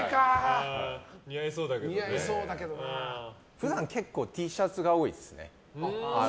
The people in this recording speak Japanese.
普段Ｔシャツが多いですね。